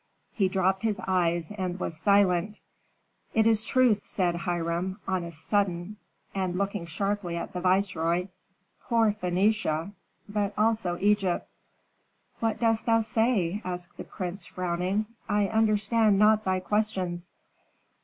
He dropped his eyes and was silent. "It is true," said Hiram, on a sudden, and looking sharply at the viceroy. "Poor Phœnicia but also Egypt." "What dost thou say?" asked the prince, frowning. "I understand not thy questions."